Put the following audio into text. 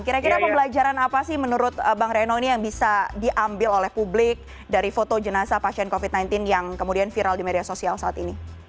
kira kira pembelajaran apa sih menurut bang reno ini yang bisa diambil oleh publik dari foto jenazah pasien covid sembilan belas yang kemudian viral di media sosial saat ini